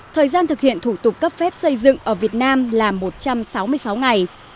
thời gian thực hiện thủ tục cấp phép xây dựng ở việt nam là một trăm sáu mươi sáu ngày